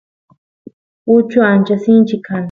uchu ancha sinchi kan